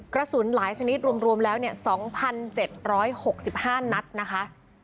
กระสุนหลายชนิดรวมแล้ว๒๗๖๕นัดนะคะ